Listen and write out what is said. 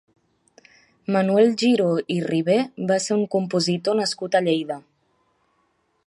Manuel Giró i Ribé va ser un compositor nascut a Lleida.